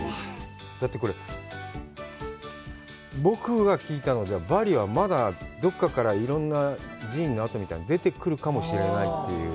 だって、これ、僕が聞いたのでは、バリはまだどっかからいろんな寺院の跡みたいなのが出てくるかもしれないっていう。